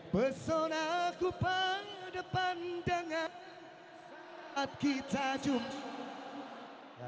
beson aku pada pandangan saat kita jump